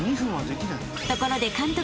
［ところで監督